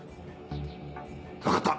分かった。